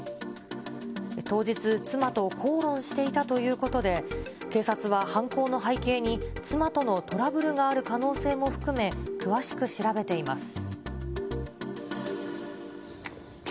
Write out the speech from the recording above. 当日、妻と口論していたということで、警察は犯行の背景に妻とのトラブルがある可能性も含め、詳しく調べています。